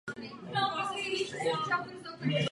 V praxi je častěji používán.